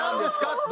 って。